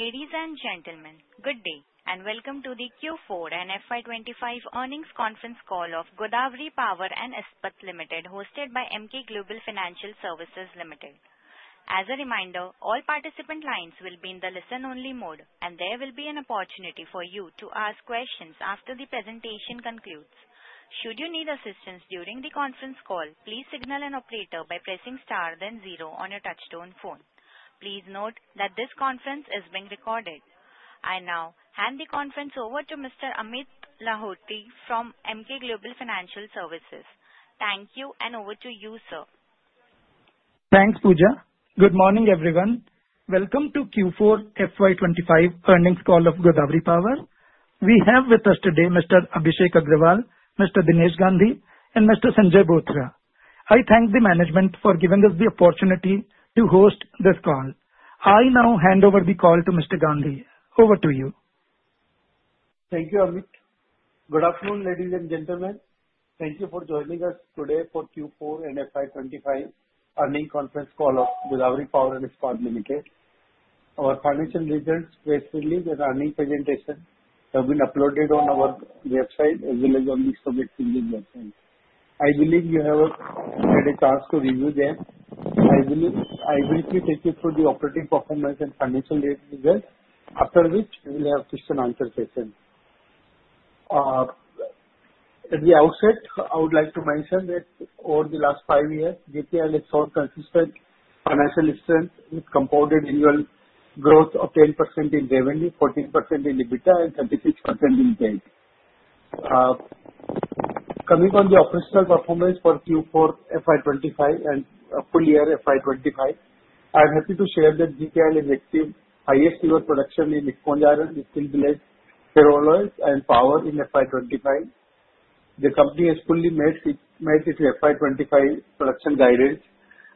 Ladies and gentlemen, good day and welcome to the Q4 & FY25 Earnings Conference call of Godawari Power & Ispat Limited, hosted by Emkay Global Financial Services Limited. As a reminder, all participant lines will be in the listen-only mode, and there will be an opportunity for you to ask questions after the presentation concludes. Should you need assistance during the conference call, please signal an operator by pressing star then zero on your touch-tone phone. Please note that this conference is being recorded. I now hand the conference over to Mr. Amit Lahoti from Emkay Global Financial Services. Thank you, and over to you, sir. Thanks, Pooja. Good morning, everyone. Welcome to Q4 FY25 Earnings Call of Godawari Power. We have with us today Mr. Abhishek Agrawal, Mr. Dinesh Gandhi, and Mr. Sanjay Bothra. I thank the management for giving us the opportunity to host this call. I now hand over the call to Mr. Gandhi. Over to you. Thank you, Amit. Good afternoon, ladies and gentlemen. Thank you for joining us today for Q4 & FY25 Earnings Conference call of Godawari Power & Ispat Limited. Our financial results, press release, and earnings presentation have been uploaded on our website, as well as on the Stock Exchanges' websites. I believe you have had a chance to review them. I will briefly take you through the operating performance and financial results, after which we will have a question-and-answer session. At the outset, I would like to mention that over the last five years, GPI has shown consistent financial strength with compounded annual growth of 10% in revenue, 14% in EBITDA, and 36% in PAT. Coming on the operational performance for Q4 FY25 and full year FY25, I'm happy to share that GPI has achieved highest-ever production in sponge iron and iron ore pellets, ferro alloys, and power in FY25. The company has fully met its FY25 production guidance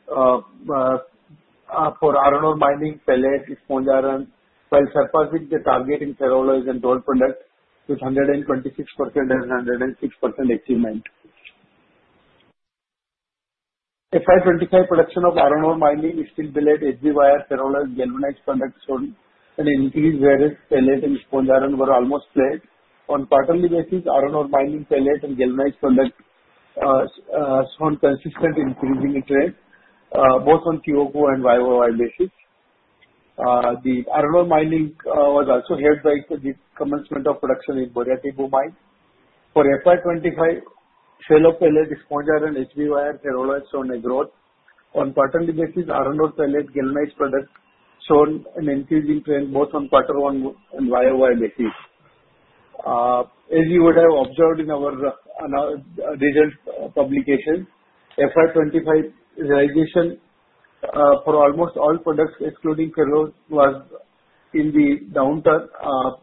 for iron ore mining, pellets, sponge iron, while surpassing the target in ferro alloys and rolled products with 126% and 106% achievement. FY25 production of iron ore mining, iron ore pellets, HB wire, ferro alloys, galvanized products shown an increased iron ore pellets and sponge iron were almost flat. On quarterly basis, iron ore mining pellets and galvanized products shown consistent increasing trend, both on QOQ and YOY basis. The iron ore mining was also helped by the commencement of production in Boria Tibbu. For FY25, sale of pellets, sponge iron, and HB wire, ferro alloys shown a growth. On quarterly basis, iron ore pellets, galvanized products shown an increasing trend both on quarter one and YOY basis. As you would have observed in our results publication, FY25 realization for almost all products, excluding ferro alloys, was in the downturn,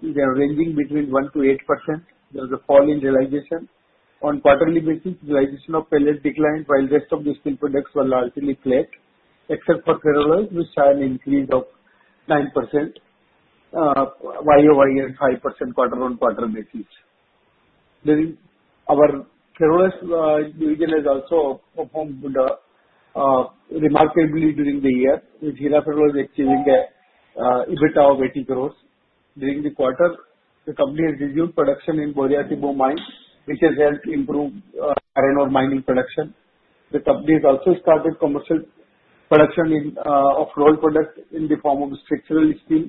ranging between 1% to 8%. There was a fall in realization. On quarterly basis, realization of pellets declined, while the rest of the steel products were largely flat, except for ferro alloys, which saw an increase of 9%. YoY 5% quarter-on-quarter basis. Our ferro alloys division has also performed remarkably during the year, with Hira Ferro Alloys achieving an EBITDA of 80 crores. During the quarter, the company has resumed production in Boria Tibbu, which has helped improve iron ore mining production. The company has also started commercial production of rolled products in the form of structural steel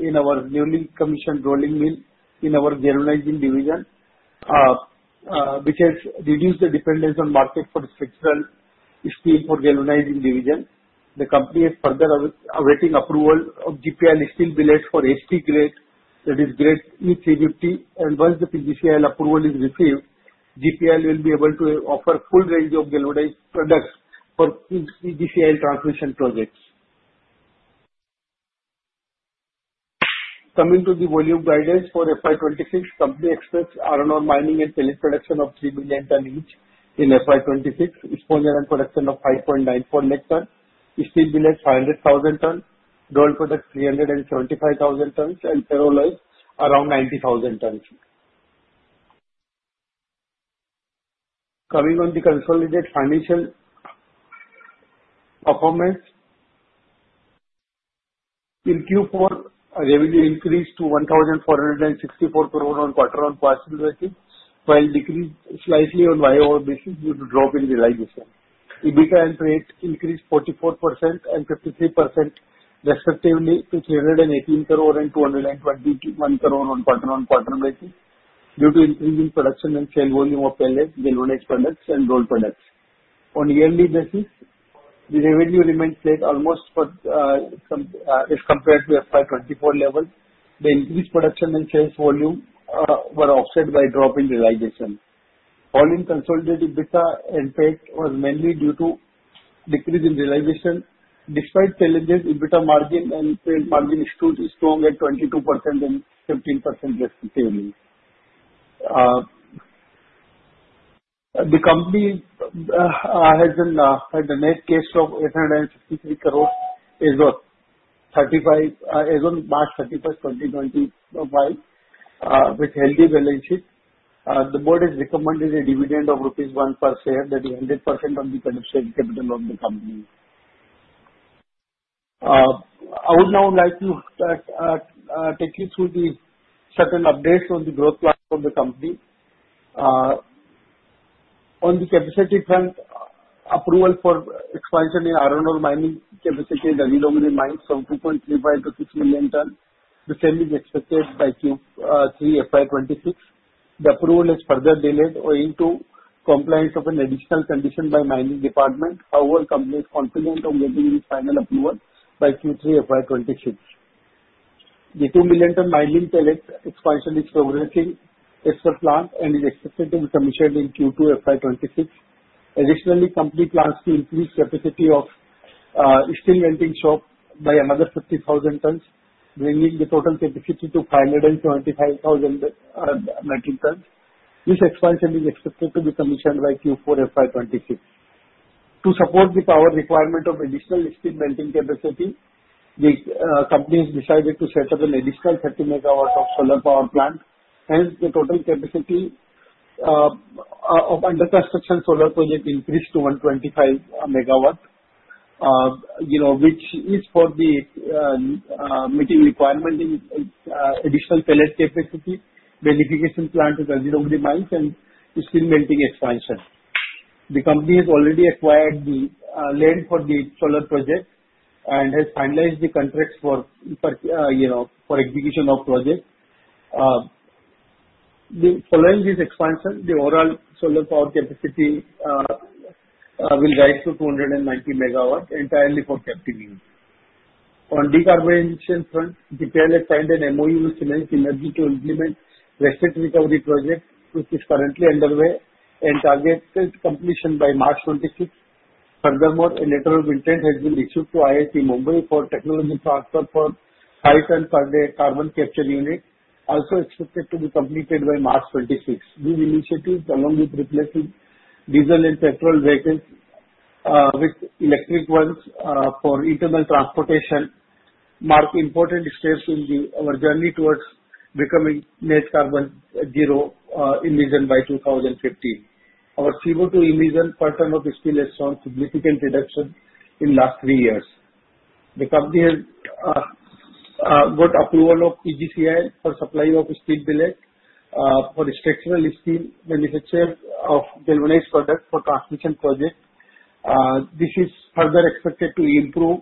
in our newly commissioned rolling mill in our galvanizing division, which has reduced the dependence on market for structural steel for galvanizing division. The company is further awaiting approval of GPI steel billets for HT grade, that is grade E350, and once the PGCIL approval is received, GPI will be able to offer full range of galvanized products for PGCIL transmission projects. Coming to the volume guidance for FY26, the company expects iron ore mining and pellet production of 3 million tons each in FY26, sponge iron production of 5.94 lakh tons, steel billets 500,000 tons, rolled products 375,000 tons, and ferro alloys around 90,000 tons. Coming on the consolidated financial performance, in Q4, revenue increased to 1,464 crores on quarter-on-quarter basis, while decreased slightly on YOY basis due to drop in realization. EBITDA and PAT increased 44% and 53% respectively to INR 318 crores and INR 221 crores on quarter-on-quarter basis due to increase in production and sale volume of pellets, galvanized products, and rolled products. On a yearly basis, the revenue remained flat almost as compared to FY24 levels. The increased production and sales volume were offset by drop in realization. Fall in consolidated EBITDA and PAT was mainly due to decrease in realization. Despite challenges, EBITDA margin and PAT margin stood strong at 22% and 15% respectively. The company has a net cash flow of 863 crores as of March 31, 2025, with healthy balance sheet. The board has recommended a dividend of rupees 1 per share, that is 100% of the paid-up capital of the company. I would now like to take you through the certain updates on the growth plans of the company. On the capacity front, approval for expansion in iron ore mining capacity is available in mines from 2.35 to 6 million tons. The same is expected by Q3 FY26. The approval is further delayed owing to compliance of an additional condition by the mining department. However, the company is confident on getting this final approval by Q3 FY26. The 2 million-ton mining pellet expansion is progressing as per plan and is expected to be commissioned in Q2 FY26. Additionally, the company plans to increase the capacity of the steel melting shop by another 50,000 tons, bringing the total capacity to 575,000 tons. This expansion is expected to be commissioned by Q4 FY26. To support the power requirement of additional steel melting capacity, the company has decided to set up an additional 30 megawatts of solar power plant. Hence, the total capacity of the under-construction solar project increased to 125 megawatts, which is for meeting the requirement in additional pellet capacity, beneficiation plant at Ari Dongri mines, and steel melting expansion. The company has already acquired the land for the solar project and has finalized the contracts for execution of the project. Following this expansion, the overall solar power capacity will rise to 290 megawatts, entirely for captive use. On the decarbonization front, GPI has signed an MoU with Siemens in order to implement the waste heat recovery project, which is currently underway and targets its completion by March 26. Furthermore, a letter of intent has been issued to IIT Bombay for technology transfer for 5 tons per day carbon capture unit, also expected to be completed by March 26. These initiatives, along with replacing diesel and petrol vehicles with electric ones for internal transportation, mark important steps in our journey towards becoming net carbon zero by 2050. Our CO2 emissions per ton of steel shown a significant reduction in the last three years. The company has got approval from PGCIL for the supply of steel billets for structural steel manufacturers of galvanized products for transmission projects. This is further expected to improve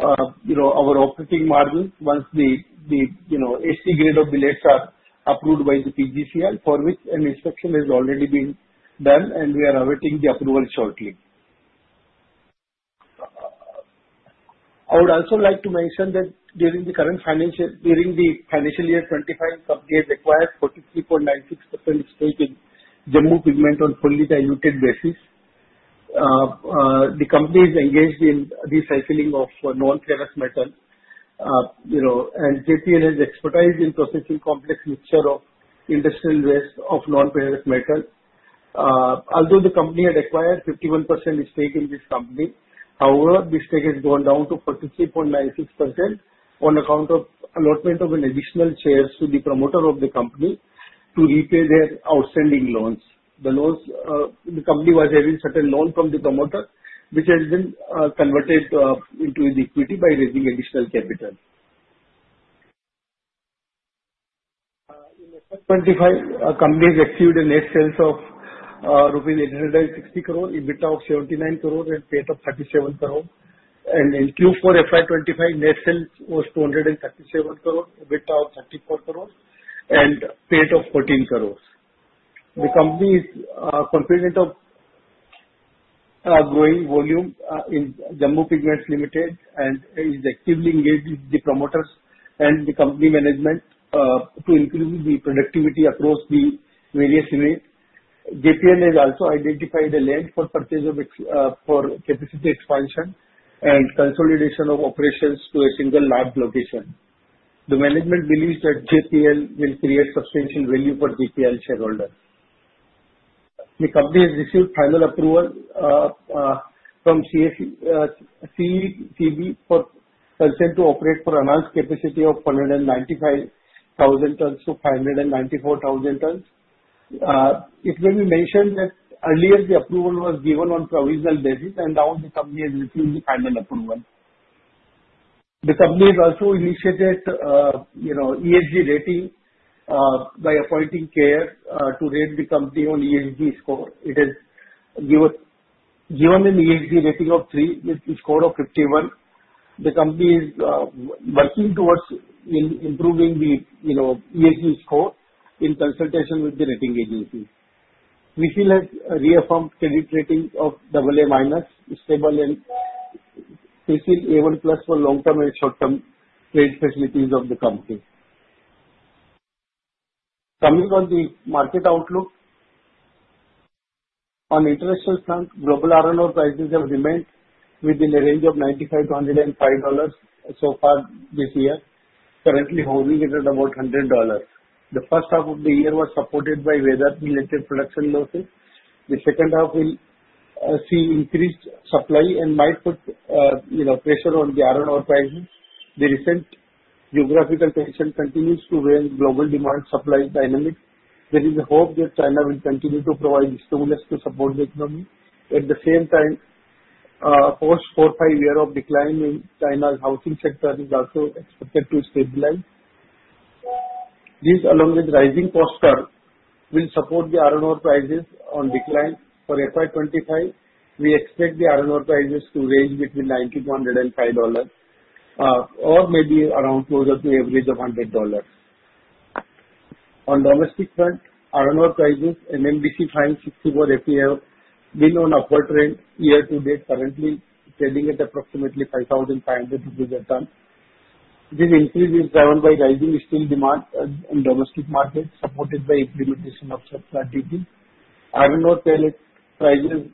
our operating margin once the HT grade of billets are approved by the PGCIL, for which an inspection has already been done, and we are awaiting the approval shortly. I would also like to mention that during the financial year 2025, the company has acquired 43.96% stake in Jammu Pigments on a fully diluted basis. The company is engaged in recycling of non-ferrous metal, and JPL has expertise in processing a complex mixture of industrial waste of non-ferrous metal. Although the company had acquired a 51% stake in this company, however, this stake has gone down to 43.96% on account of the allotment of additional shares to the promoter of the company to repay their outstanding loans. The company was having a certain loan from the promoter, which has been converted into equity by raising additional capital. In FY25, the company has achieved a net sales of rupees 860 crores, EBITDA of 79 crores, and PAT of 37 crores. In Q4 FY25, net sales was 237 crores, EBITDA of 34 crores, and PAT of 14 crores. The company is confident of growing volume in Jammu Pigments Limited and is actively engaged with the promoters and the company management to improve the productivity across the various units. JPL has also identified the land for purchase of capacity expansion and consolidation of operations to a single large location. The management believes that JPL will create substantial value for GPI shareholders. The company has received final approval from CECB for the consent to operate for the announced capacity of 195,000-594,000 tons. It may be mentioned that earlier, the approval was given on a provisional basis, and now the company has received the final approval. The company has also initiated ESG rating by appointing CARE to rate the company on the ESG score. It has given an ESG rating of 3, with a score of 51. The company is working towards improving the ESG score in consultation with the rating agencies. We still have reaffirmed credit rating of AA- stable and still A1- for long-term and short-term trade facilities of the company. Coming on the market outlook, on the international front, global iron ore prices have remained within a range of $95-$105 so far this year, currently hovering around about $100. The first half of the year was supported by weather-related production losses. The second half will see increased supply and might put pressure on the iron ore prices. The recent geographical tension continues to weigh on global demand-supply dynamics. There is a hope that China will continue to provide stimulus to support the economy. At the same time, post four or five years of decline, China's housing sector is also expected to stabilize. This, along with rising costs, will support the iron ore prices on decline. For FY25, we expect the iron ore prices to range between $90-$105, or maybe around closer to the average of $100. On the domestic front, iron ore prices and NMDC 64 Fe have been on an upward trend year to date, currently trading at approximately 5,500 rupees a ton. This increase is driven by rising domestic demand in the domestic market, supported by the implementation of subsidies. Iron ore pellet prices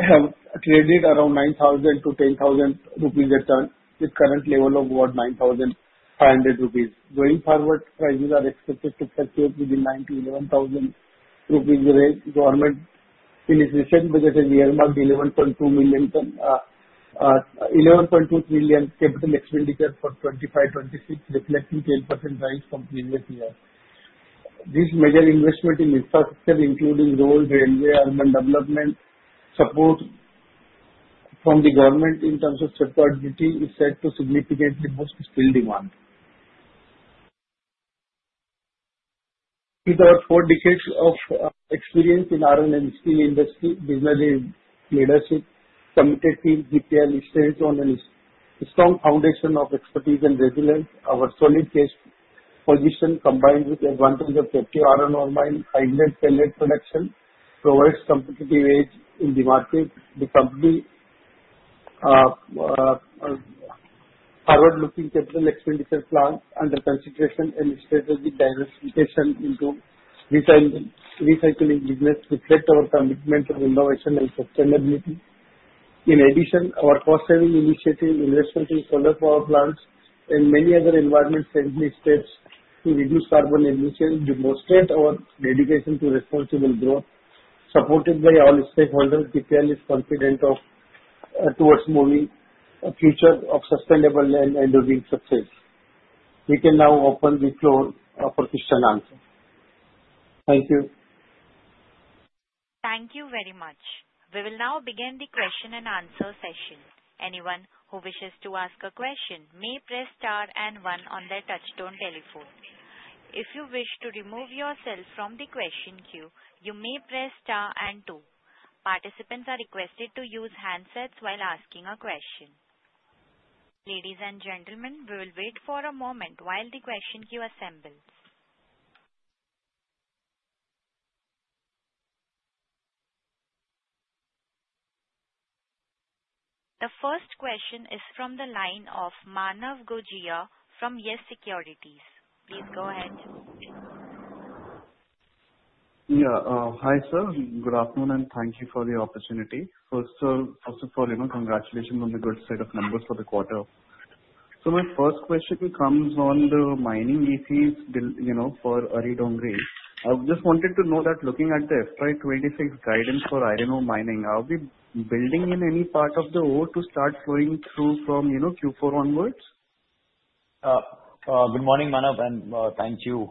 have traded around 9,000-10,000 rupees a ton, with the current level of about 9,500 rupees. Going forward, prices are expected to fluctuate within 9,000-11,000 rupees range. The government, in its recent budget, has earmarked 11.23 million capital expenditure for 2025-2026, reflecting a 10% rise from the previous year. This major investment in infrastructure, including road, railway, and urban development support from the government in terms of subsidies, is set to significantly boost steel demand. With our four decades of experience in the iron and steel industry, business leadership, and committed team, GPI stands on a strong foundation of expertise and resilience. Our solid cash position, combined with the advantage of captive iron ore mines, high-grade pellet production, provides a competitive edge in the market. The company's forward-looking capital expenditure plans, under consideration and strategic diversification into the recycling business, reflect our commitment to innovation and sustainability. In addition, our cost-saving initiative, investment in solar power plants, and many other environment-friendly steps to reduce carbon emissions demonstrate our dedication to responsible growth. Supported by all stakeholders, GPI is confident towards moving towards a future of sustainable and enduring success. We can now open the floor for questions and answers. Thank you. Thank you very much. We will now begin the question and answer session. Anyone who wishes to ask a question may press star and one on their touch-tone telephone. If you wish to remove yourself from the question queue, you may press star and two. Participants are requested to use handsets while asking a question. Ladies and gentlemen, we will wait for a moment while the question queue assembles. The first question is from the line of Manav Gogia from Yes Securities. Please go ahead. Yeah. Hi, sir. Good afternoon, and thank you for the opportunity. First of all, congratulations on the good set of numbers for the quarter. So my first question is on the mining ECs for Ari Dongri. I just wanted to know that, looking at the FY26 guidance for iron ore mining, are we building in any part of the ore to start flowing through from Q4 onwards? Good morning, Manav, and thank you.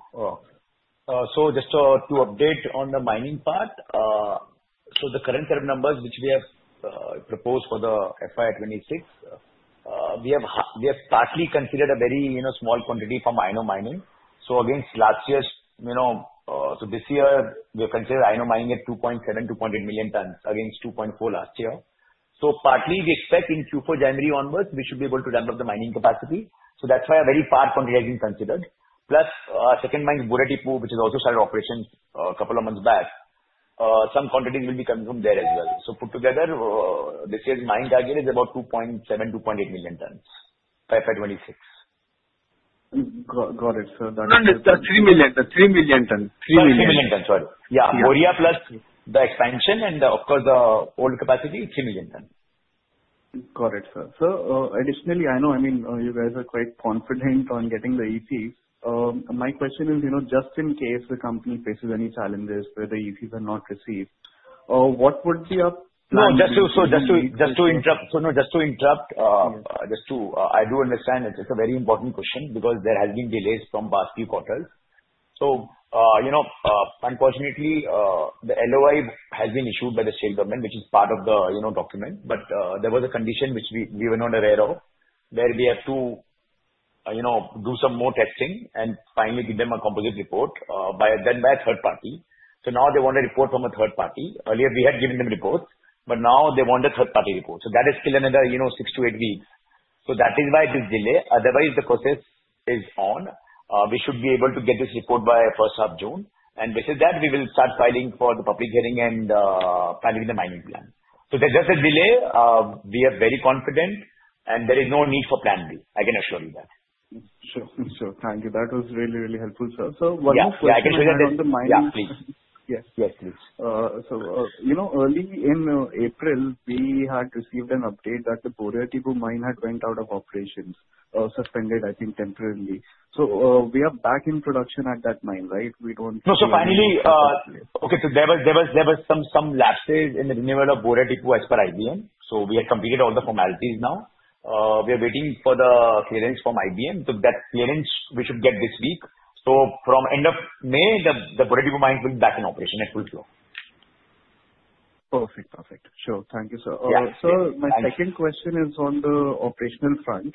So just to update on the mining part, so the current set of numbers which we have proposed for the FY26, we have partly considered a very small quantity for iron ore mining. So against last year to this year, we have considered iron ore mining at 2.7-2.8 million tons against 2.4 last year. So partly, we expect in Q4 January onwards, we should be able to develop the mining capacity. So that's why a very partial quantity has been considered. Plus, our second mine, Boria Tibbu, which has also started operations a couple of months back, some quantities will be consumed there as well. So put together, this year's mining target is about 2.7-2.8 million tons for FY26. Got it, sir. And the 3 million tons. 3 million. 3 million tons, sorry. Yeah, Boria+ the expansion and, of course, the old capacity, 3 million tons. Got it, sir. So additionally, I know, I mean, you guys are quite confident on getting the EPs. My question is, just in case the company faces any challenges where the EPs are not received, what would be a plan? No, just to interrupt. Just to interrupt, I do understand it's a very important question because there have been delays from past few quarters. So unfortunately, the LOI has been issued by the state government, which is part of the document, but there was a condition which we were not aware of where we have to do some more testing and finally give them a composite report by a third party. So now they want a report from a third party. Earlier, we had given them reports, but now they want a third-party report. So that is still another six to eight weeks. So that is why this delay. Otherwise, the process is on. We should be able to get this report by first half of June, and with that, we will start filing for the public hearing and filing the mining plan. So there's just a delay. We are very confident, and there is no need for plan B. I can assure you that. Sure. Sure. Thank you. That was really, really helpful, sir. So one more question. Yeah. I can show you the mine. Yeah, please. Yes, please. So early in April, we had received an update that the Boria Tibbu mine had gone out of operations, suspended, I think, temporarily. So we are back in production at that mine, right? We don't—No. So finally, okay, so there were some lapses in the renewal of Boria Tibbu as per IBM. So we have completed all the formalities now. We are waiting for the clearance from IBM. So that clearance, we should get this week. So from the end of May, the Boria Tibbu mine will be back in operation at full flow. Perfect. Perfect. Sure. Thank you, sir. So my second question is on the operational front.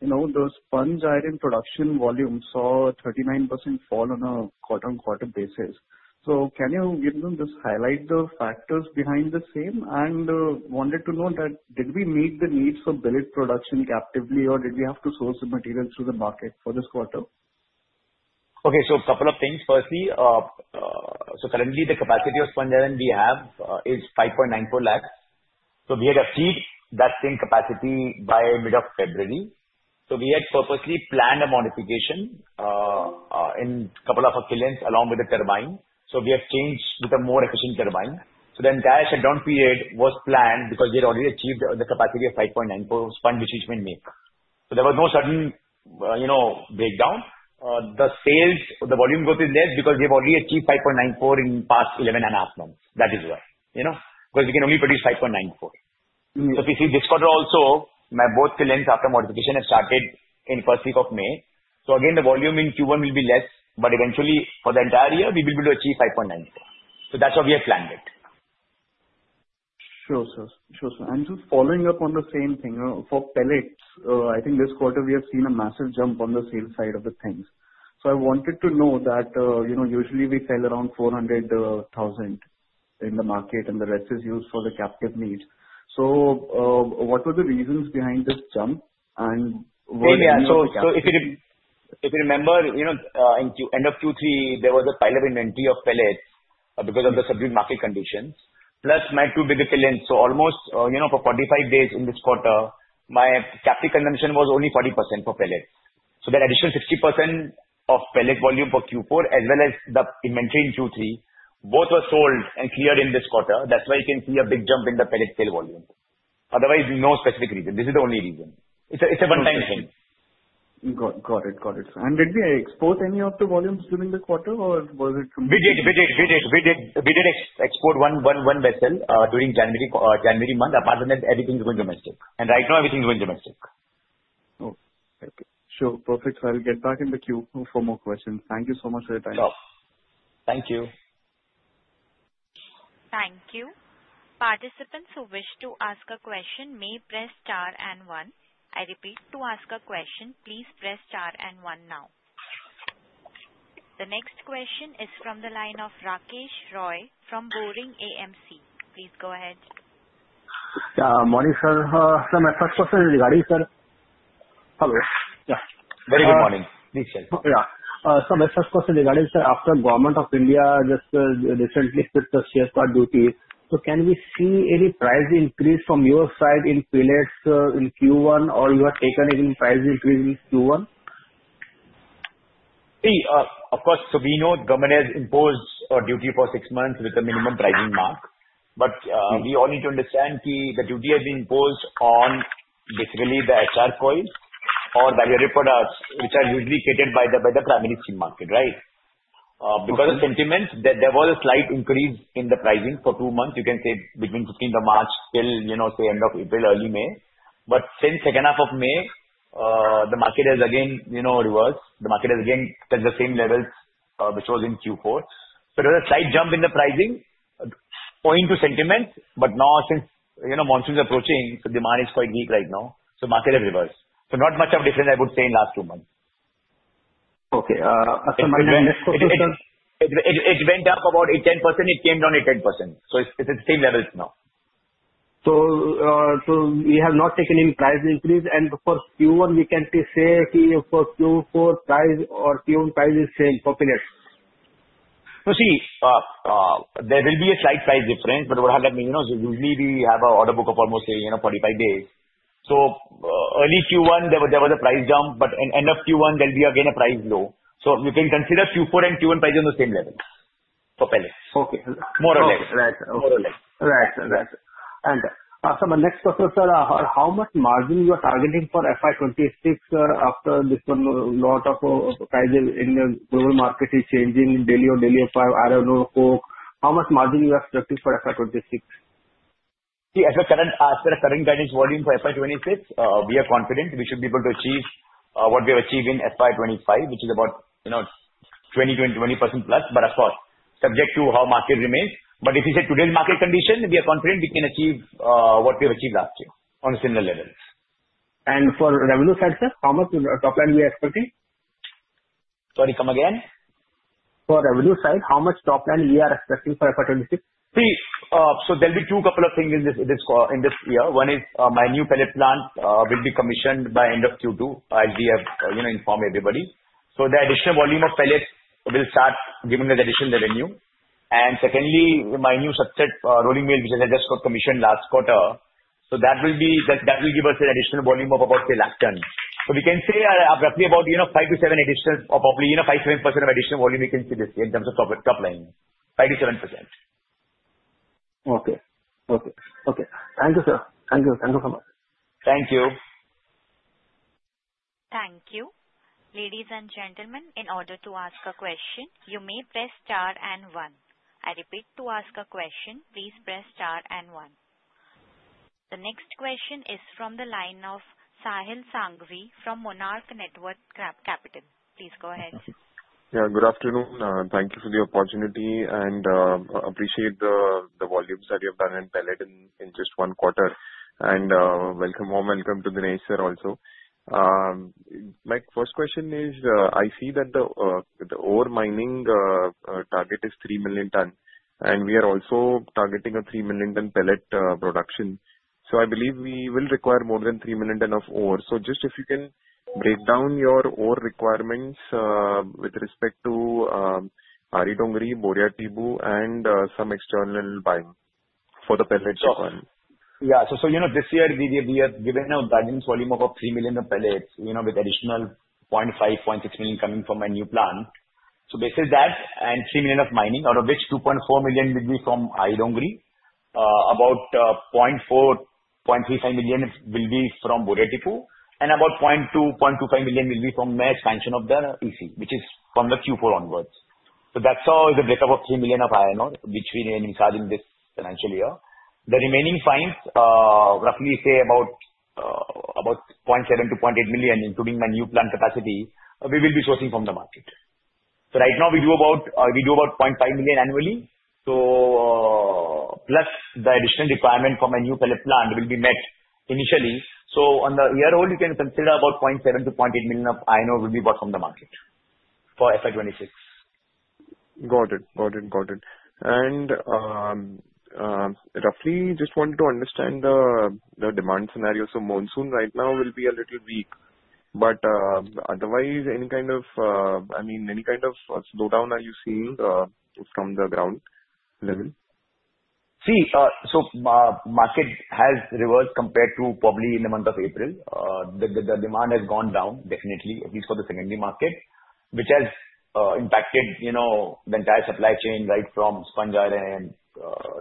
Those sponge iron production volumes saw a 39% fall on a quarter-on-quarter basis. So can you just highlight the factors behind the same? And I wanted to know that, did we meet the needs for billet production captively, or did we have to source the materials through the market for this quarter? Okay. So a couple of things. Firstly, so currently, the capacity of sponge iron we have is 5.94 lakhs. So we had achieved that same capacity by mid of February. So we had purposely planned a modification in a couple of furnaces along with the turbine. So we have changed to the more efficient turbine. So the entire shutdown period was planned because we had already achieved the capacity of 5.94 sponge iron, which we make. So there was no sudden breakdown. The volume goal is there because we have already achieved 5.94 in the past 11 and a half months. That is why. Because we can only produce 5.94. So you see, this quarter also, both the plants after modification have started in the first week of May. So again, the volume in Q1 will be less, but eventually, for the entire year, we will be able to achieve 5.94. So that's how we have planned it. Sure, sir. Sure, sir. And just following up on the same thing, for pellets, I think this quarter we have seen a massive jump on the sales side of the things. So I wanted to know that usually we sell around 400,000 in the market, and the rest is used for the captive needs. So what were the reasons behind this jump? And were there any? Yeah. So if you remember, in Q3, there was a pile-up in 20 of pellets because of the subdued market conditions. Plus, my two bigger pellets, so almost for 45 days in this quarter, my captive consumption was only 40% for pellets. So the additional 60% of pellet volume for Q4, as well as the inventory in Q3, both were sold and cleared in this quarter. That's why you can see a big jump in the pellet sale volume. Otherwise, no specific reason. This is the only reason. It's a one-time thing. Got it. Got it. And did we export any of the volumes during the quarter, or was it? We did. We did. We did export one vessel during January month. Apart from that, everything is going domestic. And right now, everything is going domestic. Okay. Sure. Perfect. So I'll get back in the queue for more questions. Thank you so much for your time. Thank you. Thank you. Participants who wish to ask a question may press star and one. I repeat, to ask a question, please press star and one now. The next question is from the line of Rakesh Roy from Omkara Capital. Please go ahead. Yeah. Morning, sir. Sir, my first question is regarding, sir. Hello. Yeah. Very good morning. Yeah. Sir, my first question is regarding, sir, after Government of India just recently fixed the safeguard duties, so can we see any price increase from your side in pellets in Q1, or you have taken any price increase in Q1? Of course. So we know government has imposed a duty for six months with a minimum pricing mark. But we all need to understand the duty has been imposed on basically the HR coils or the other products, which are usually catered by the primary steel market, right? Because of sentiment, there was a slight increase in the pricing for two months, you can say, between 15th of March till, say, end of April, early May. But since second half of May, the market has again reversed. The market has again touched the same levels, which was in Q4. So there was a slight jump in the pricing owing to sentiment, but now since monsoon is approaching, so demand is quite weak right now. So the market has reversed. So not much of a difference, I would say, in the last two months. Okay. So my next question is. It went up about 8-10%. It came down 8-10%. So it's at the same levels now. So we have not taken any price increase. And for Q1, we can say for Q4 price or Q1 price is same for pellets? So, see, there will be a slight price difference, but what I mean is usually we have an order book of almost 45 days. So early Q1, there was a price jump, but in end of Q1, there'll be again a price low. So you can consider Q4 and Q1 prices on the same level for pellets. More or less. Right. And so my next question, sir, how much margin you are targeting for FY26 after this lot of prices in the global market is changing, daily or daily of iron ore coke? How much margin you are expecting for FY26? See, as per the current guidance volume for FY26, we are confident we should be able to achieve what we have achieved in FY25, which is about 20%-20% +. But of course, subject to how the market remains. But if you say today's market condition, we are confident we can achieve what we have achieved last year on a similar level. And for revenue side, sir, how much top line we are expecting? Sorry, come again. For revenue side, how much top line we are expecting for FY26? See, so there'll be two couple of things in this year. One is my new pellet plant will be commissioned by end of Q2 as we have informed everybody. So the additional volume of pellets will start giving us additional revenue. And secondly, my new structural rolling mill, which I just got commissioned last quarter, so that will give us an additional volume of about a lakh tons. So we can say roughly about 5-7 additional, probably 5%-7% of additional volume we can see this year in terms of top line. 5%-7%. Thank you, sir. Thank you so much. Ladies and gentlemen, in order to ask a question, you may press star and one. I repeat, to ask a question, please press star and one. The next question is from the line of Sahil Sanghvi from Monarch Networth Capital. Please go ahead. Yeah. Good afternoon. Thank you for the opportunity. I appreciate the volumes that you have done in pellet in just one quarter. Welcome home. Welcome to Dinesh, sir, also. My first question is, I see that the ore mining target is three million tons. We are also targeting a three million ton pellet production. So I believe we will require more than three million tons of ore. So just if you can break down your ore requirements with respect to Ari Dongri, Boria Tibbu, and some external buying for the pellet requirement. Yeah. This year, we have given a guidance volume of 3 million of pellets with additional 0.5-0.6 million coming from our new plant. So basically that and 3 million of mining, out of which 2.4 million will be from Ari Dongri, about 0.35-0.4 million will be from Boria Tibbu, and about 0.2-0.25 million will be from our expansion of the EC, which is from the Q4 onwards. So that's how the breakup of 3 million of iron ore, which we are sourcing this financial year. The remaining fines, roughly say about 0.7-0.8 million, including our new plant capacity, we will be sourcing from the market. So right now, we do about 0.5 million annually. So, plus the additional requirement for my new pellet plant will be met initially. So, on the year ahead, you can consider about 0.7-0.8 million of iron ore will be bought from the market for FY26. Got it. Got it. Got it. And roughly, just wanted to understand the demand scenario. So monsoon right now will be a little weak. But otherwise, any kind of, I mean, any kind of slowdown are you seeing from the ground level? See, so market has reversed compared to probably in the month of April. The demand has gone down, definitely, at least for the secondary market, which has impacted the entire supply chain, right, from sponge iron,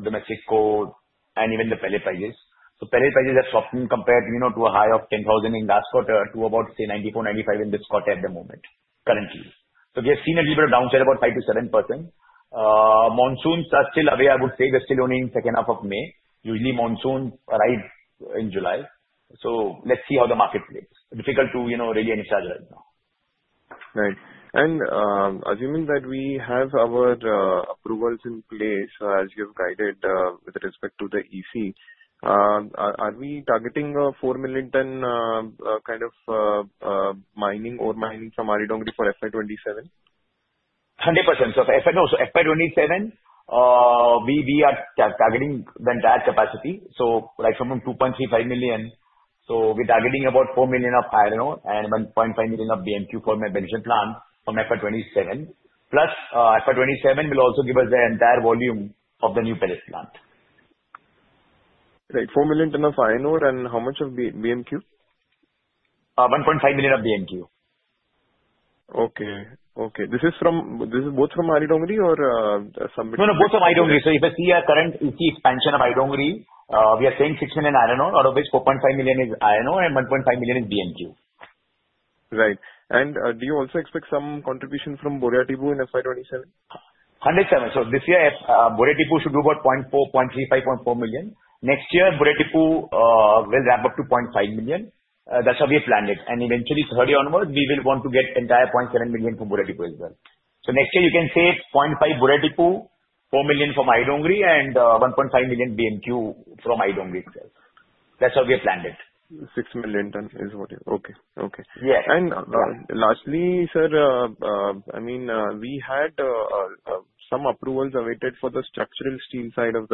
domestic coal, and even the pellet prices. So pellet prices have dropped compared to a high of 10,000 in last quarter to about, say, 9,400-9,500 in this quarter at the moment, currently. So we have seen a little bit of downside about 5-7%. Monsoons are still away, I would say. They're still only in second half of May. Usually, monsoons arrive in July. So let's see how the market plays. Difficult to really insert right now. Right. And assuming that we have our approvals in place as you have guided with respect to the EC, are we targeting 4 million tons kind of iron ore mining from Ari Dongri for FY27? 100%. So FY27, we are targeting the entire capacity. So from 2.35 million, so we're targeting about 4 million of iron ore and 1.5 million of BMQ for my venture plant from FY27. Plus, FY27 will also give us the entire volume of the new pellet plant. Right. 4 million tons of iron ore and how much of BMQ? 1.5 million of BMQ. Okay. Okay. This is both from Ari Dongri or somebody? No, no. Both from Ari Dongri. So if I see a current EC expansion of Ari Dongri, we are saying 6 million iron ore, out of which 4.5 million is iron ore and 1.5 million is BMQ. Right. And do you also expect some contribution from Boria Tibbu in FY27? 100%. So this year, Boria Tibbu should do about 0.4, 0.35, 0.4 million. Next year, Boria Tibbu will ramp up to 0.5 million. That's how we have planned it. And eventually, third year onwards, we will want to get entire 0.7 million from Boria Tibbu as well. So next year, you can say 0.5 Boria Tibbu, 4 million from Ari Dongri, and 1.5 million BMQ from Ari Dongri itself. That's how we have planned it. 6 million tons is what you okay. Okay. Lastly, sir, I mean, we had some approvals awaited for the structural steel side of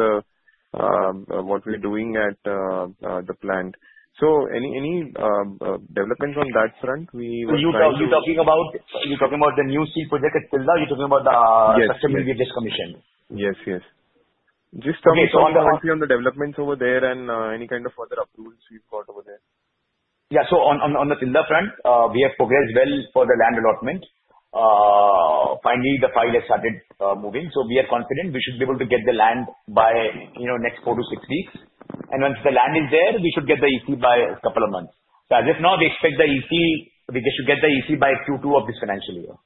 what we're doing at the plant. Any developments on that front? We were. You're talking about the new steel project at Tilda? You're talking about the structural mill we've just commissioned? Yes. Yes. Just tell me about the developments over there and any kind of further approvals we've got over there. Yeah. On the Tilda front, we have progressed well for the land allotment. Finally, the file has started moving. We are confident we should be able to get the land by next four to six weeks. Once the land is there, we should get the EC by a couple of months. As of now, we expect the EC. We should get the EC by Q2 of this financial year.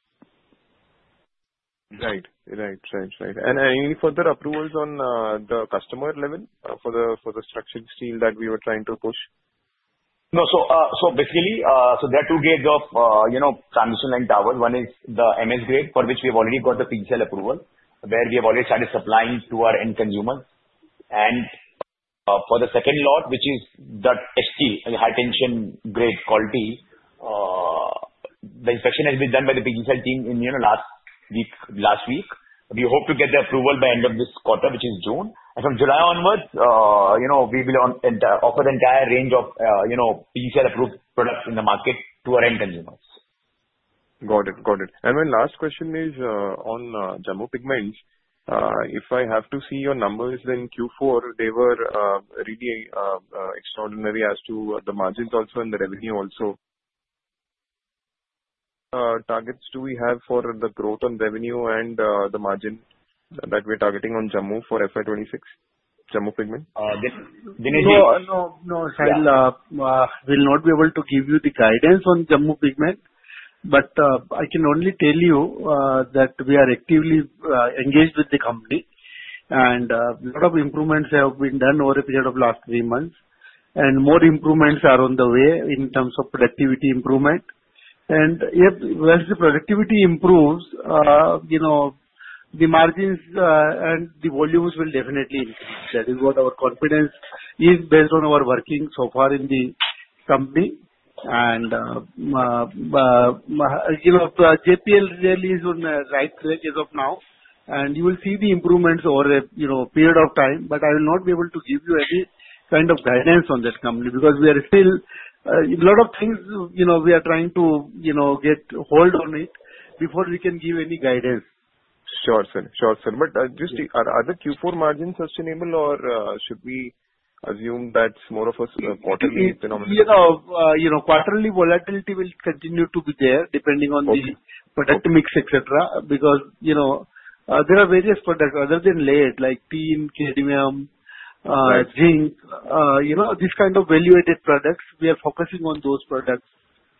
Right. Right. Right. Right. And any further approvals on the customer level for the structural steel that we were trying to push? No. So basically, so there are two grades of transmission line towers. One is the MS grade, for which we have already got the PGCIL approval, where we have already started supplying to our end consumers. And for the second lot, which is the ST, the high-tension grade quality. The inspection has been done by the PGCIL team last week. We hope to get the approval by end of this quarter, which is June. And from July onwards, we will offer the entire range of PGCIL-approved products in the market to our end consumers. Got it. Got it. And my last question is on Jammu Pigments. If I have to see your numbers in Q4, they were really extraordinary as to the margins also and the revenue also. targets do we have for the growth on revenue and the margin that we are targeting on Jammu for FY26? Jammu Pigments? Dinesh, you. No, no. Sahil will not be able to give you the guidance on Jammu Pigments. But I can only tell you that we are actively engaged with the company. And a lot of improvements have been done over a period of last three months. And more improvements are on the way in terms of productivity improvement. And as the productivity improves, the margins and the volumes will definitely increase. That is what our confidence is based on our working so far in the company. And JPL really is on the right track as of now. And you will see the improvements over a period of time. But I will not be able to give you any kind of guidance on that company because we are still a lot of things we are trying to get hold of it before we can give any guidance. Sure. Sure. Sure. But just, are other Q4 margins sustainable, or should we assume that's more of a quarterly economic? Quarterly volatility will continue to be there depending on the product mix, etc., because there are various products other than billets like TMT, CTD, zinc, these kinds of value-added products. We are focusing on those products.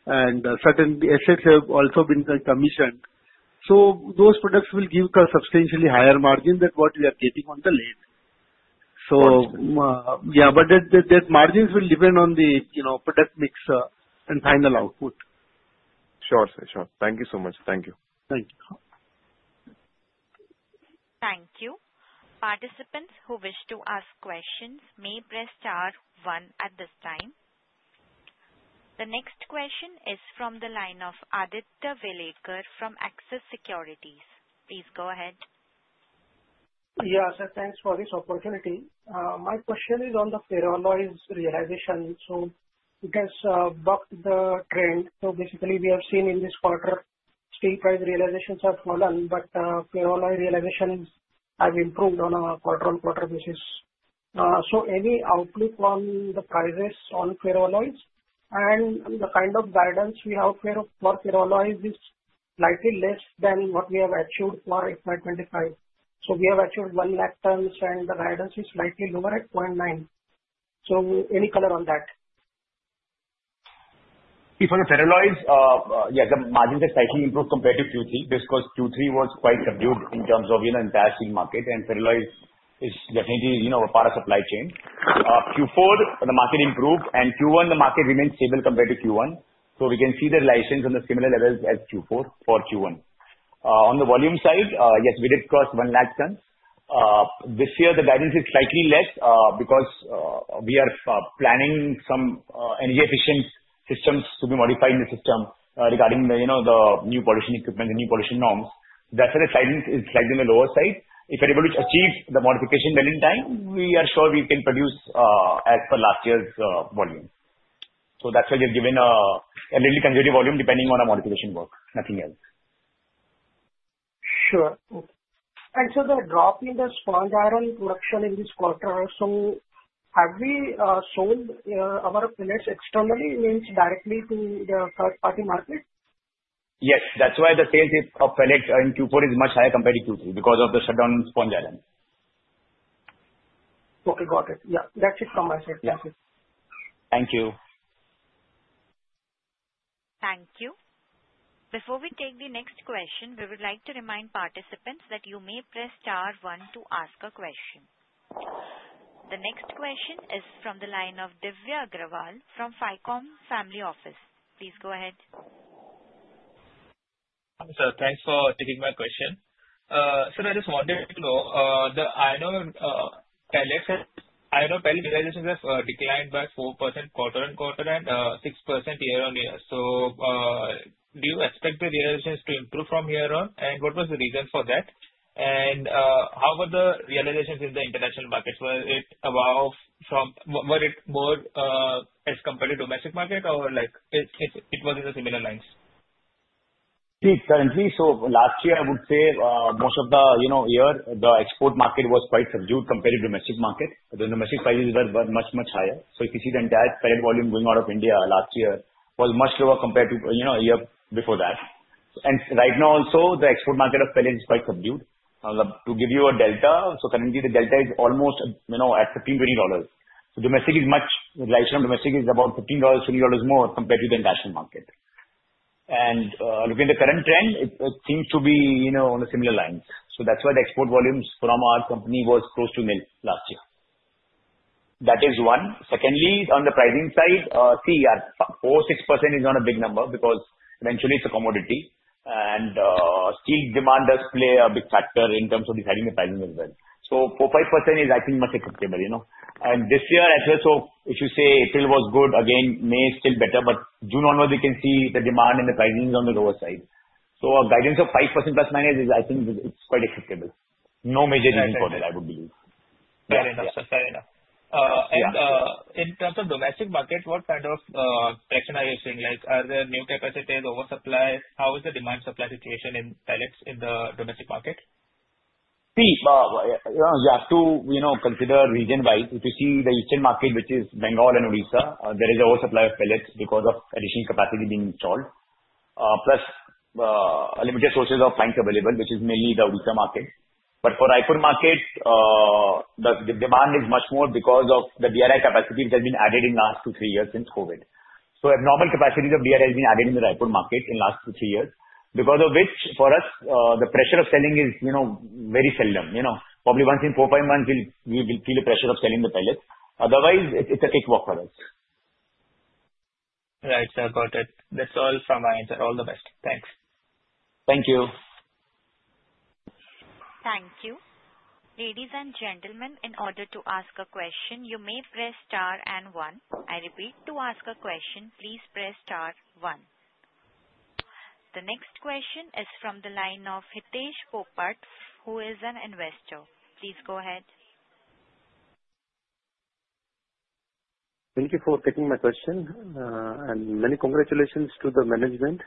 And certain assets have also been commissioned. So those products will give a substantially higher margin than what we are getting on the billet. So yeah. But that margins will depend on the product mix and final output. Sure. Sure. Sure. Thank you so much. Thank you. Thank you. Thank you. Participants who wish to ask questions may press star one at this time. The next question is from the line of Aditya Welekar from Axis Securities. Please go ahead. Yeah. So thanks for this opportunity. My question is on the ferroalloy realization. So it has bucked the trend. So basically, we have seen in this quarter, steel price realizations have fallen, but ferroalloy realizations have improved on a quarter-on-quarter basis. So any outlook on the prices on ferroalloy and the kind of guidance we have for ferroalloy is slightly less than what we have achieved for FY25. So we have achieved 1 lakh tons, and the guidance is slightly lower at 0.9. So any color on that? See, for the ferroalloys, yeah, the margins have slightly improved compared to Q3 because Q3 was quite subdued in terms of the entire steel market. And ferro alloy is definitely a part of the supply chain. Q4, the market improved, and Q1, the market remained stable compared to Q1. So we can see the realizations on the similar levels as Q4 for Q1. On the volume side, yes, we posted 1 lakh tons. This year, the guidance is slightly less because we are planning some energy-efficient systems to be modified in the system regarding the new pollution equipment, the new pollution norms. That's why the guidance is slightly on the lower side. If we're able to achieve the modification well in time, we are sure we can produce as per last year's volume. So that's why we have given a little conservative volume depending on our modification work. Nothing else. Sure. And so the drop in the sponge iron production in this quarter, so have we sold our pellets externally, means directly to the third-party market? Yes. That's why the sales of pellets in Q4 is much higher compared to Q3 because of the shutdown on sponge iron. Okay. Got it. Yeah. That's it from my side. Thank you. Thank you. Thank you. Before we take the next question, we would like to remind participants that you may press star one to ask a question. The next question is from the line of Divya Agrawal from FICOM Family Office. Please go ahead. So thanks for taking my question. So I just wanted to know, the iron ore pellet realizations have declined by 4% quarter on quarter and 6% year on year. So do you expect the realizations to improve from here on? What was the reason for that? How were the realizations in the international markets? Were they above, or were they more as compared to domestic market, or it was on similar lines? See, currently, so last year, I would say most of the year, the export market was quite subdued compared to domestic market. The domestic prices were much, much higher. So if you see the entire pellet volume going out of India last year was much lower compared to a year before that. And right now also, the export market of pellets is quite subdued. To give you a delta, so currently, the delta is almost at $15-$20. So domestic is much realization of domestic is about $15-$20 more compared to the international market. Looking at the current trend, it seems to be on a similar line. That's why the export volumes from our company was close to nil last year. That is one. Secondly, on the pricing side, see, 4-6% is not a big number because eventually, it's a commodity. And steel demand does play a big factor in terms of deciding the pricing as well. So 4-5% is, I think, much acceptable. And this year, as well, so if you say April was good, again, May is still better. But June onwards, you can see the demand and the pricing is on the lower side. So a guidance of 5% plus minus is, I think, it's quite acceptable. No major reason for that, I would believe. Fair enough. Fair enough. And in terms of domestic market, what kind of scenario are you seeing? Are there new capacities, oversupplies? How is the demand-supply situation in pellets in the domestic market? See, you have to consider region-wide. If you see the eastern market, which is Bengal and Odisha, there is oversupply of pellets because of additional capacity being installed. Plus, limited sources of lumps available, which is mainly the Odisha market. But for the Raipur market, the demand is much more because of the DRI capacity which has been added in the last two, three years since COVID. So abnormal capacity of DRI has been added in the Raipur market in the last two, three years because of which, for us, the pressure of selling is very seldom. Probably once in four, five months, we will feel the pressure of selling the pellets. Otherwise, it's a cakewalk for us. Right. I got it. That's all from my end. All the best. Thanks. Thank you. Thank you. Ladies and gentlemen, in order to ask a question, you may press star and one. I repeat, to ask a question, please press star one. The next question is from the line of Hitesh Popat, who is an individual investor. Please go ahead. Thank you for taking my question. Many congratulations to the management.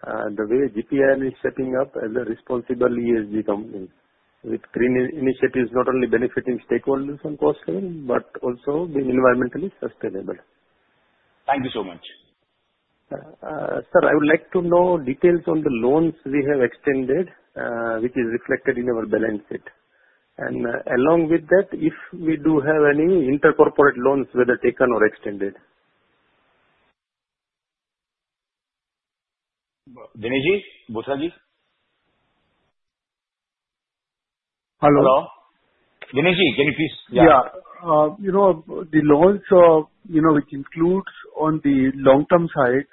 The way GPI is setting up as a responsible ESG company with green initiatives not only benefiting stakeholders on cost level but also being environmentally sustainable. Thank you so much. Sir, I would like to know details on the loans we have extended, which is reflected in our balance sheet. Along with that, if we do have any intercorporate loans, whether taken or extended. Dinesh, you? Bothra, you? Hello. Hello? Dinesh, you? Can you please? Yeah. Yeah. The loans which includes on the long-term side,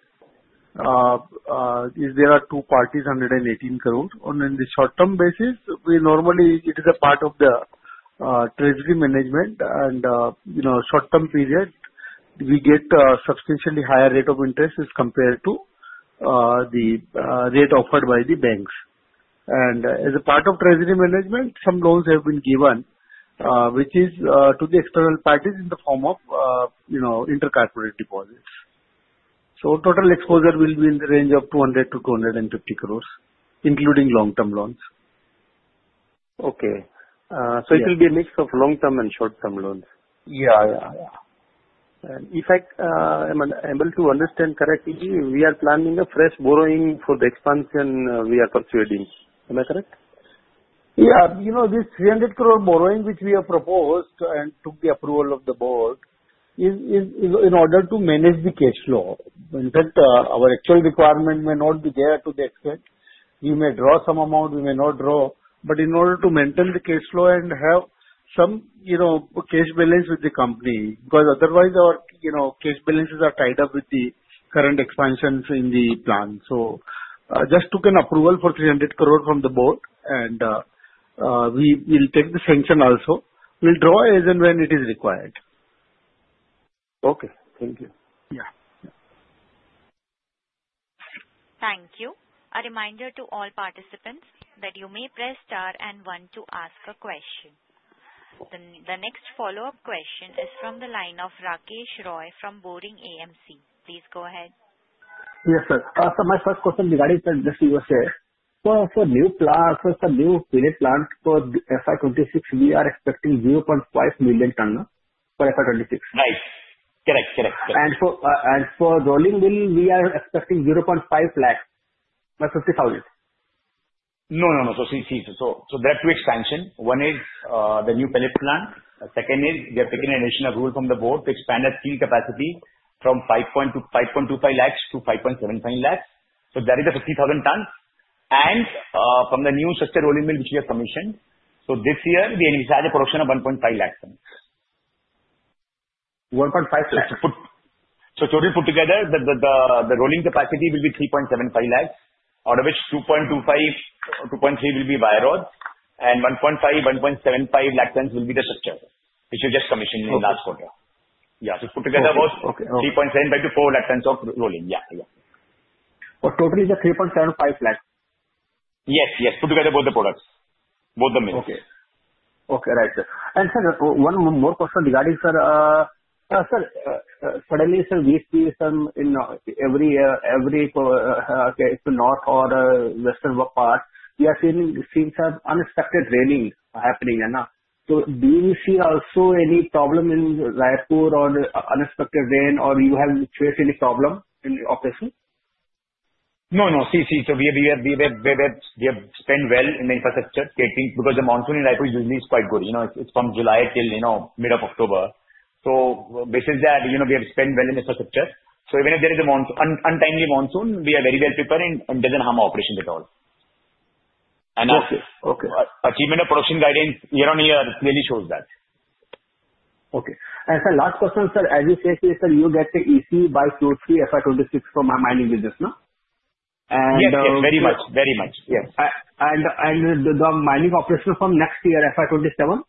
there are two parties, 118 crores. On the short-term basis, we normally it is a part of the treasury management. the short-term period, we get a substantially higher rate of interest as compared to the rate offered by the banks. As a part of treasury management, some loans have been given, which is to the external parties in the form of intercorporate deposits. Total exposure will be in the range of 200-250 crores, including long-term loans. Okay. It will be a mix of long-term and short-term loans. Yeah. Yeah. Yeah. If I am able to understand correctly, we are planning a fresh borrowing for the expansion we are pursuing. Am I correct? Yeah. This 300 crore borrowing, which we have proposed and took the approval of the board, is in order to manage the cash flow. In fact, our actual requirement may not be there to the extent. We may draw some amount. We may not draw. But in order to maintain the cash flow and have some cash balance with the company because otherwise, our cash balances are tied up with the current expansions in the plan. So just took an approval for 300 crore from the board, and we will take the sanction also. We'll draw as and when it is required. Okay. Thank you. Yeah. Thank you. A reminder to all participants that you may press star and one to ask a question. The next follow-up question is from the line of Rakesh Roy from Omkara Capital. Please go ahead. Yes, sir. So my first question regarding the industry was, for new pellet plants for FY26, we are expecting 0.5 million tonnes for FY26. Right. Correct. Correct. Correct. And for rolling mill, we are expecting 0.5 lakh by 50,000. No, no, no. So see, see. So there are two expansions. One is the new pellet plant. Second is, we have taken an additional approval from the board to expand the steel capacity from 5.25 lakhs to 5.75 lakhs. So that is the 50,000 tons. And from the new structural rolling mill, which we have commissioned, so this year, we had a production of 1.5 lakh tons. 1.5 lakhs. So totally put together, the rolling capacity will be 3.75 lakhs, out of which 2.25, 2.3 will be wire rods, and 1.5, 1.75 lakh tons will be the structural, which we just commissioned in the last quarter. Yeah. So put together, about 3.7 by 4 lakh tons of rolling. Yeah. Yeah. But totally, it's 3.75 lakhs. Yes. Yes. Put together both the products, both the mills. Okay. Okay. Right. And sir, one more question regarding, sir. Sir, suddenly, sir, we see some in every north or western part, we have seen some unexpected raining happening. So do you see also any problem in Raipur on unexpected rain, or you have faced any problem in the operation? No, no. See, see. So we have spent well in the infrastructure because the monsoon in Raipur usually is quite good. It's from July till mid of October. So basically, we have spent well in the infrastructure. So even if there is an untimely monsoon, we are very well prepared and it doesn't harm our operations at all. And achievement of production guidance year on year clearly shows that. Okay. And sir, last question, sir. As you say, sir, you get the EC by Q3 FY26 for my mining business, no? Yes. Yes. Very much. Very much. Yes. And the mining operation from next year, FY27?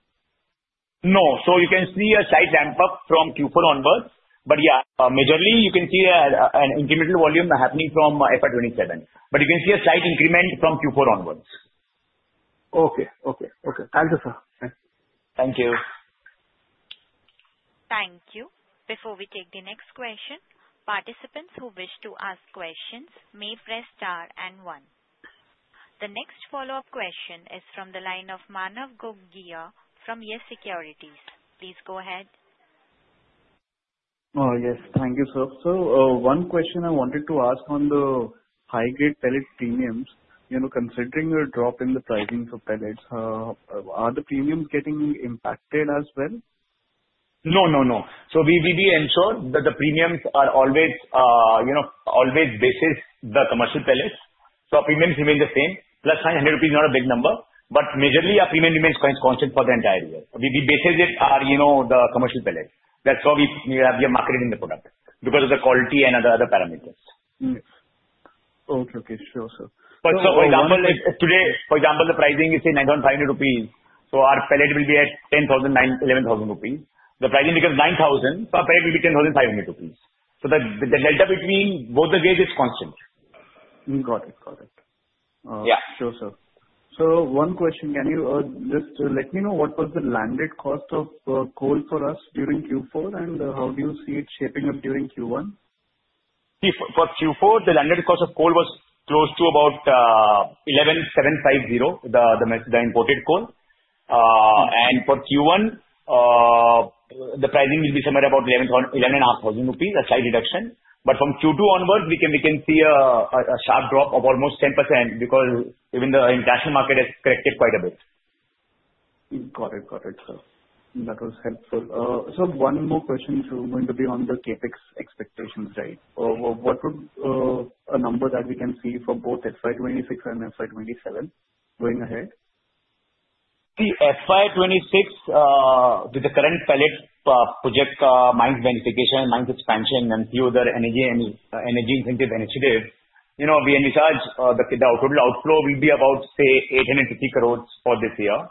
No. So you can see a slight ramp-up from Q4 onwards. But yeah, majorly, you can see an incremental volume happening from FY27. But you can see a slight increment from Q4 onwards. Okay. Okay. Okay. Thank you, sir. Thank you. Thank you. Before we take the next question, participants who wish to ask questions may press star and one. The next follow-up question is from the line of Manav Gogia from Yes Securities. Please go ahead. Yes. Thank you, sir. So one question I wanted to ask on the high-grade pellet premiums. Considering a drop in the pricing for pellets, are the premiums getting impacted as well? No, no, no. So we ensure that the premiums are always basis the commercial pellets. So our premiums remain the same. Plus, 100 rupees is not a big number. But majorly, our premium remains constant for the entire year. We base it on the commercial pellet. That's how we have marketed in the product because of the quality and other parameters. Okay. Okay. Sure, sir. But so, for example, today, for example, the pricing is 9,500 rupees. So our pellet will be at 10,000, 11,000 rupees. The pricing becomes 9,000, so our pellet will be 10,500 rupees. So the delta between both the grades is constant. Got it. Got it. Sure, sir. So one question, can you just let me know what was the landed cost of coal for us during Q4, and how do you see it shaping up during Q1? See, for Q4, the landed cost of coal was close to about 11,750, the imported coal. And for Q1, the pricing will be somewhere about 11,000 rupees, a slight reduction. But from Q2 onwards, we can see a sharp drop of almost 10% because even the international market has corrected quite a bit. Got it. Got it, sir. That was helpful. So one more question is going to be on the CapEx expectations, right? What would be a number that we can see for both FY26 and FY27 going ahead? See, FY26, with the current pellet project, mines verification, mines expansion, and a few other energy incentive initiatives, we envisage the total outflow will be about, say, 850 crores for this year.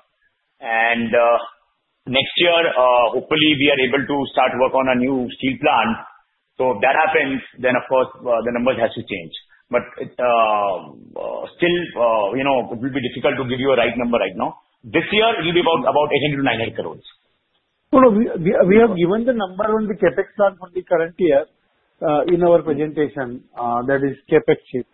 And next year, hopefully, we are able to start work on a new steel plant. So if that happens, then, of course, the numbers have to change. But still, it will be difficult to give you a right number right now. This year, it will be about 800-900 crores. No, no. We have given the number on the CapEx plan for the current year in our presentation, that is CapEx sheet.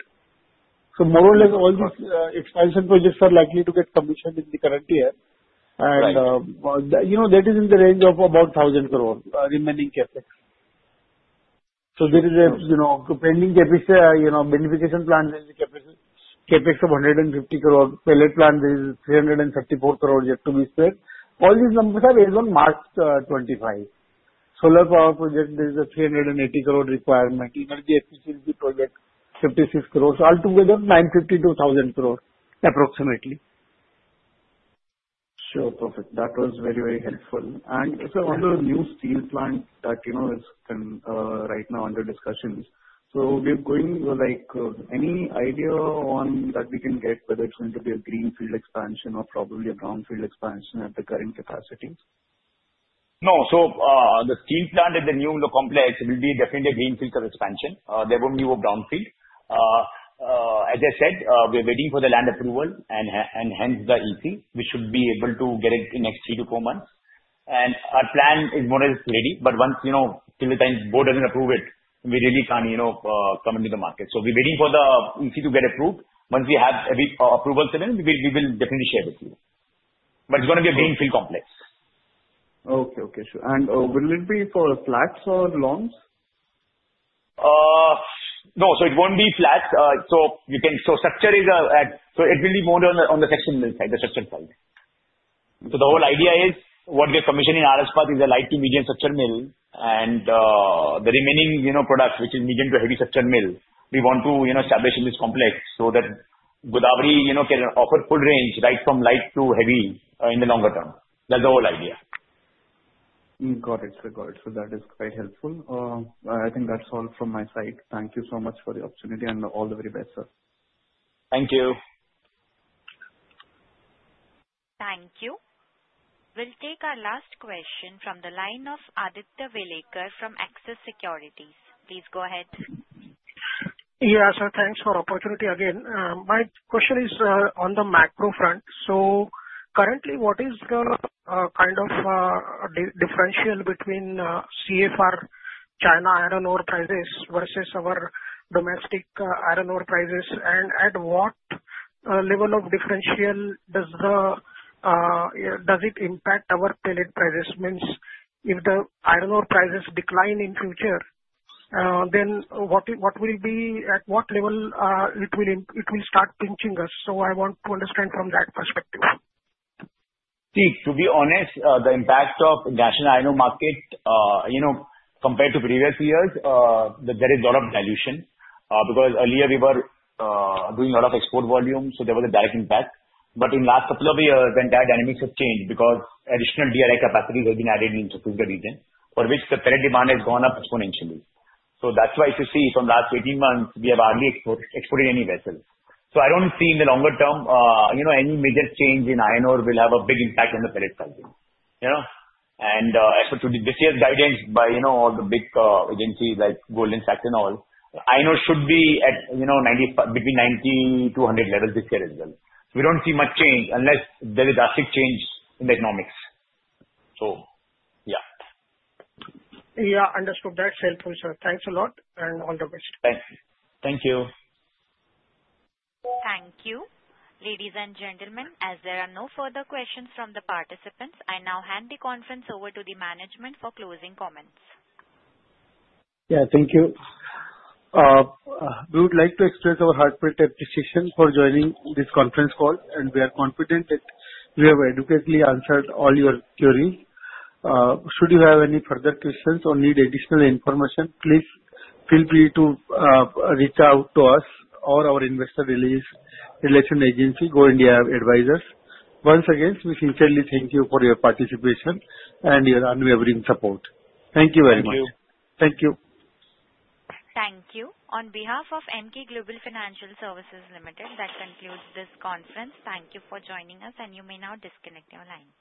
More or less, all these expansion projects are likely to get commissioned in the current year. That is in the range of about 1,000 crore remaining CapEx. There is a pending CapEx for expansion plan, there is a CapEx of 150 crore. Pellet plant, there is 334 crores yet to be spent. All these numbers are based on March 25. Solar power project, there is a 380 crore requirement. Energy efficiency project, 56 crores. Altogether, 950-1,000 crore, approximately. Sure. Perfect. That was very, very helpful. Sir, on the new steel plant that is right now under discussion, do we have any idea on that we can get whether it is going to be a greenfield expansion or probably a brownfield expansion at the current capacity? No. So the steel plant at the new complex will be definitely a greenfield expansion. There won't be a brownfield. As I said, we're waiting for the land approval and hence the EC, which should be able to get it in next three to four months. Our plan is more or less ready. But once till the time the board doesn't approve it, we really can't come into the market. So we're waiting for the EC to get approved. Once we have approval, we will definitely share with you. But it's going to be a greenfield complex. Okay. Okay. Sure. And will it be for flats or longs? No. So it won't be flats. So structural is so it will be more on the section mill side, the structural side. So the whole idea is what we have commissioned in Arasmeta is a light to medium structural mill. And the remaining products, which is medium to heavy structural mill, we want to establish in this complex so that Godawari can offer full range right from light to heavy in the longer term. That's the whole idea. Got it. Got it. So that is quite helpful. I think that's all from my side. Thank you so much for the opportunity and all the very best, sir. Thank you. Thank you. We'll take our last question from the line of Aditya Welekar from Axis Securities. Please go ahead. Yes, sir. Thanks for the opportunity again. My question is on the macro front. So currently, what is the kind of differential between CFR China iron ore prices versus our domestic iron ore prices? And at what level of differential does it impact our pellet prices? Means if the iron ore prices decline in future, then what will be at what level it will start pinching us? So I want to understand from that perspective. See, to be honest, the impact of the international iron ore market compared to previous years, there is a lot of dilution because earlier, we were doing a lot of export volume, so there was a direct impact. But in the last couple of years, the dynamics have changed because additional DRI capacities have been added in the region for which the pellet demand has gone up exponentially. So that's why you see from the last 18 months, we have hardly exported any vessels. So I don't see in the longer term any major change in iron ore will have a big impact on the pellet pricing. As per today, this year's guidance by all the big agencies like Goldman Sachs and all, iron ore should be between $90-$100 levels this year as well. We don't see much change unless there is a drastic change in the economics. So yeah. Yeah. Understood. That's helpful, sir. Thanks a lot. And all the best. Thank you. Thank you. Ladies and gentlemen, as there are no further questions from the participants, I now hand the conference over to the management for closing comments. Yeah. Thank you. We would like to express our heartfelt appreciation for joining this conference call. And we are confident that we have adequately answered all your queries. Should you have any further questions or need additional information, please feel free to reach out to us or our investor relation agency, Go India Advisors. Once again, we sincerely thank you for your participation and your unwavering support. Thank you very much. Thank you. Thank you. Thank you. On behalf of Emkay Global Financial Services Limited, that concludes this conference. Thank you for joining us, and you may now disconnect your line.